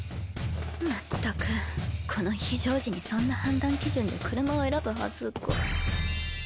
まったくこの非常時にそんな判断基準で車を選ぶはずが。